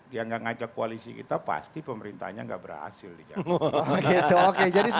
dia tidak mengajak koalisi kita pasti pemerintahnya tidak berhasil di joko widodo